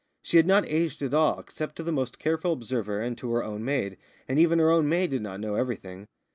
She had not aged at all, except to the most careful observer and to her own maid, and even her own maid did not know everything.